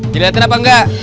diletep apa enggak